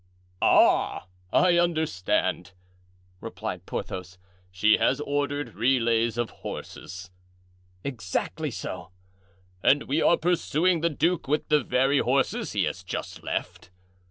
"Ah! I understand," replied Porthos; "she has ordered relays of horses." "Exactly so." "And we are pursuing the duke with the very horses he has just left?"